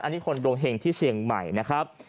อันนี้คนดวงเห็งที่เชียงใหม่นะครับ